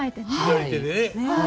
左手でね。